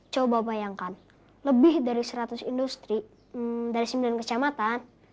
coba bayangkan lebih dari seratus industri dari sembilan kecamatan